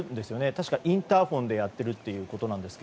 確か、インターホンでやっているということなんですが。